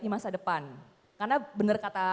di masa depan karena bener kata